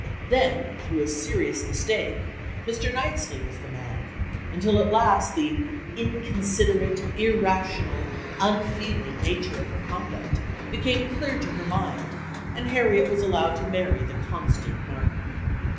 Then, through a serious mistake, Mr. Knightley was the man, until at last the "inconsiderate, irrational, unfeeling" nature of her conduct became clear to her mind, and Harriet was allowed to marry the constant Martin.